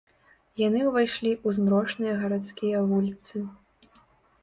Яны ўвайшлі ў змрочныя гарадскія вуліцы.